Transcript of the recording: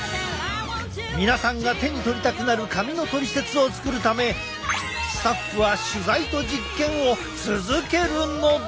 皆さんが手に取りたくなる髪のトリセツを作るためスタッフは取材と実験を続けるのだ！